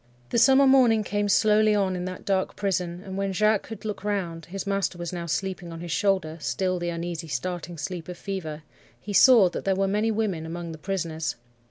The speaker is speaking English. "The summer morning came slowly on in that dark prison, and when Jacques could look round—his master was now sleeping on his shoulder, still the uneasy, starting sleep of fever—he saw that there were many women among the prisoners.